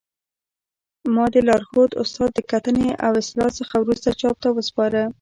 ما د لارښود استاد د کتنې او اصلاح څخه وروسته چاپ ته وسپاره